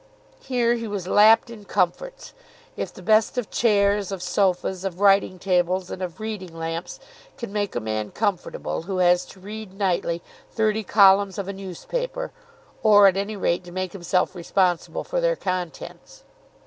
Here he was lapped in comforts, if the best of chairs, of sofas, of writing tables, and of reading lamps can make a man comfortable who has to read nightly thirty columns of a newspaper, or at any rate to make himself responsible for their contents.